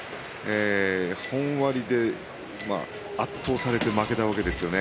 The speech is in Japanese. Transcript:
本割で圧倒されて負けたわけですよね。